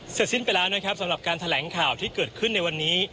เสร็จสิ้นไปแล้วนะครับสำหรับการแถลงข่าวที่เกิดขึ้นในวันนี้